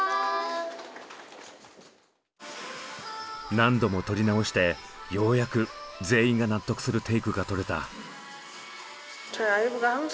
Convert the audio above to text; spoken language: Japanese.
何度も撮り直してようやく全員が納得するテイクが撮れた。